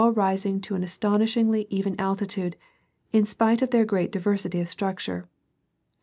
201 rising to an astonishingly even altitude, in spite of their great diversity of structure.